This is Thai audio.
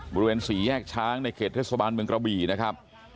บริเวณสี่แยกช้างในเขตเทศบาลเมืองกระบี่นะครับ